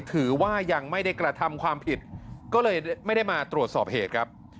ถือว่ายังไม่ได้กระทำความผิดก็เลยไม่ได้มาตรวจสอบเหตุครับ